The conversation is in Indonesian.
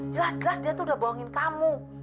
jelas jelas dia tuh udah bohongin kamu